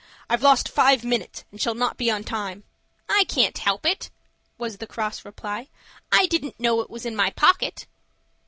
I've lost five minutes, and shall not be on time." "I can't help it," was the cross reply; "I didn't know it was in my pocket."